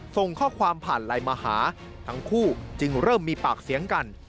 ส่งข้อความผ่านไลน์มาหาทั้งคู่จึงเริ่มมีปากเสียงกัน